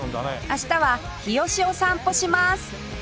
明日は日吉を散歩します